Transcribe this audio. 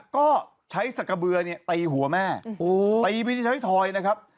ก็ใช้สักกระเบือเนี่ยตีหัวแม่ตีไปที่ไทยทอยนะครับ